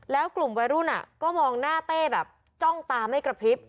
แล้วกลุ่มวัยรุ่นก็มองหน้าเต้แบบจ้องตาไม่กระพริบ